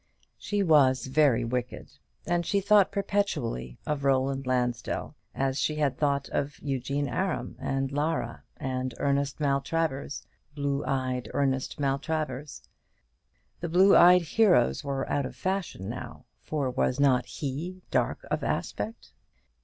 She was very wicked; and she thought perpetually of Roland Lansdell, as she had thought of Eugene Aram, and Lara, and Ernest Maltravers blue eyed Ernest Maltravers. The blue eyed heroes were out of fashion now, for was not he dark of aspect?